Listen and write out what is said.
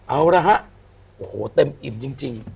เอาละฮะเต็มอิ่มจริง